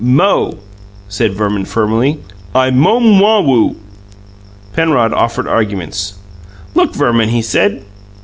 "Mo!" said Verman firmly. "I mome maw woo!" Penrod offered arguments. "Look, Verman!" he said.